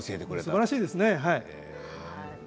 すばらしいですね。